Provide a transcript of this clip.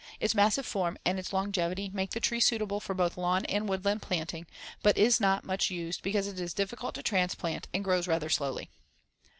Its massive form and its longevity make the tree suitable for both lawn and woodland planting but it is not used much because it is difficult to transplant and grows rather slowly.